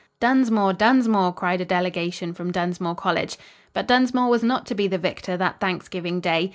"Dunsmore! Dunsmore!" cried a delegation from Dunsmore College. But Dunsmore was not to be the victor that Thanksgiving Day.